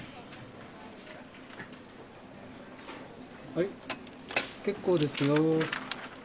はい結構ですよ。